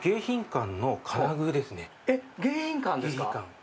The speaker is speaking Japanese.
えっ、迎賓館ですか！